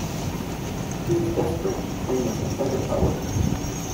She was desperate to train as a fighter pilot.